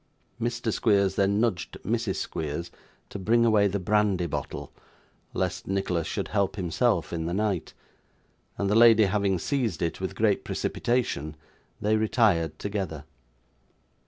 Mr. Squeers then nudged Mrs. Squeers to bring away the brandy bottle, lest Nicholas should help himself in the night; and the lady having seized it with great precipitation, they retired together.